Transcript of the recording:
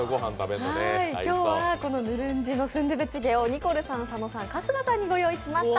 今日はこのヌルンジのスンドゥブチゲをニコルさん、佐野さん、春日さんにご用意しました。